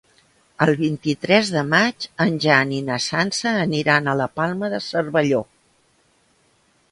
El vint-i-tres de maig en Jan i na Sança aniran a la Palma de Cervelló.